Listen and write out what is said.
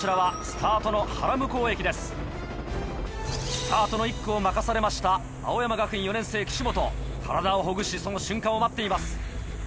スタートの１区を任されました青山学院４年生岸本体をほぐしその瞬間を待っています。